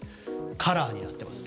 カラーになっています。